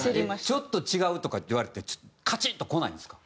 「ちょっと違う」とかって言われてカチンとこないんですか？